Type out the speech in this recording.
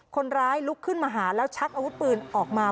คนร้ายลุกขึ้นมาหาแล้วชักอาวุธปืนออกมา